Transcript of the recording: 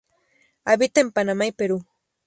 Habita en Panamá y Perú.